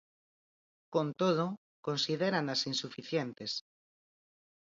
Con todo, considéranas insuficientes.